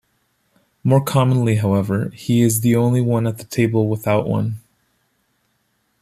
More commonly, however, he is the only one at the table without one.